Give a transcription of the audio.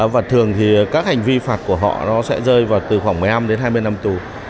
và thường thì các hành vi phạt của họ nó sẽ rơi vào từ khoảng một mươi năm đến hai mươi năm tù